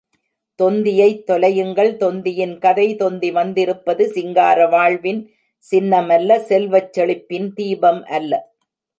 தொந்தியைத் தொலையுங்கள் தொந்தியின் கதை தொந்தி வந்திருப்பது சிங்கார வாழ்வின் சின்னமல்ல செல்வச் செழிப்பின் தீபம் அல்ல.